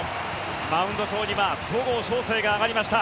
マウンド上には戸郷翔征が上がりました。